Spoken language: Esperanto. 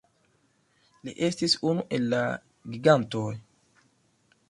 Li estis unu el la gigantoj.